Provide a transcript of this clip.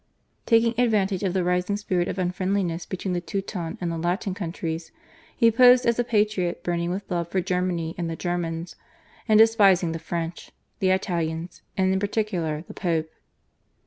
Taking advantage of the rising spirit of unfriendliness between the Teuton and the Latin countries, he posed as a patriot burning with love for Germany and the Germans, and despising the French, the Italians, and in particular the Pope.